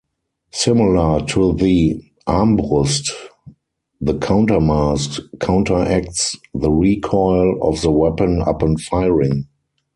Similar to the Armbrust, the countermass counteracts the recoil of the weapon upon firing.